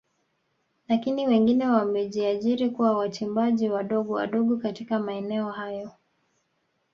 Lakini wengine wamejiajiri kuwa wachimbaji wadogo wadogo katika maeneo hayo